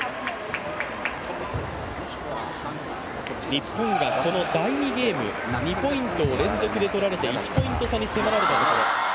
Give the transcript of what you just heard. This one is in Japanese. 日本がこの第２ゲーム２ポイントを連続で取られて１ポイント差に迫られたところ。